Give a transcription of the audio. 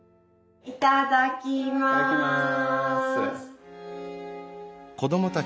いただきます！